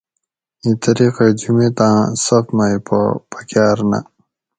اِیں طریقہ جُمیتاۤں صف مئی پا پکاۤر نہ